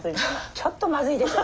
ちょっとまずいでしょ。